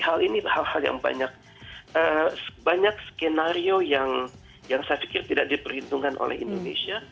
hal ini hal hal yang banyak skenario yang saya pikir tidak diperhitungkan oleh indonesia